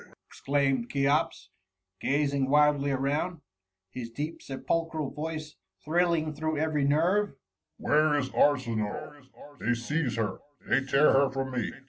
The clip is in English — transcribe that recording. ^ exclaimed Cheops, gazing wildly around — his deep sepulchral voice thrill ing through every nerve: —Where is ArsiniSe ? They seize her! They tear her from me.